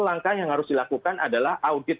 langkah yang harus dilakukan adalah audit